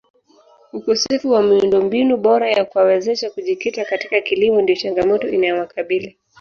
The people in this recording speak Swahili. Ukosefu wa miundombinu bora ya kuwawezesha kujikita katika kilimo ndiyo changamoto inayowakabili